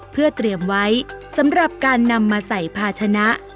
เพื่อเตรียมไว้สำหรับการนำมาใส่ภาชนะ